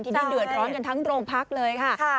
ทีนี้เดือดร้อนกันทั้งโรงพักเลยค่ะ